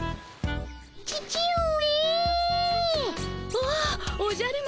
おおおじゃる丸。